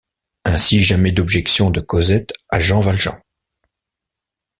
Ainsi jamais d’objections de Cosette à Jean Valjean.